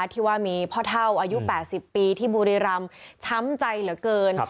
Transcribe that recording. ที่ว่ามีพ่อเท่าอายุ๘๐ปีที่บุรีรำช้ำใจเหลือเกิน